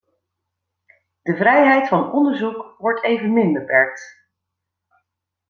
De vrijheid van onderzoek wordt evenmin beperkt.